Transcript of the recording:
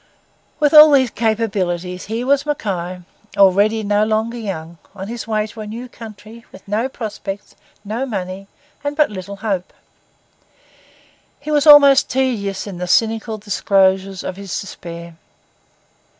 With all these capabilities, here was Mackay, already no longer young, on his way to a new country, with no prospects, no money, and but little hope. He was almost tedious in the cynical disclosures of his despair.